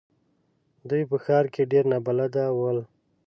دوی په ښار کې ډېر نابلده ول.